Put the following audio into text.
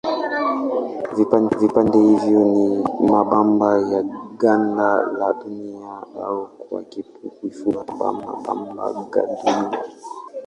Vipande hivyo ni mabamba ya ganda la Dunia au kwa kifupi mabamba gandunia.